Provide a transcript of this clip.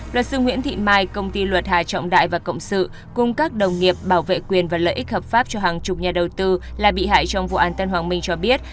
luật sư nguyễn thị mai công ty luật hà trọng đại và cộng sự cùng các đồng nghiệp bảo vệ quyền và lợi ích hợp pháp cho hàng chục nhà đầu tư là bị hại trong vụ án tân hoàng minh cho biết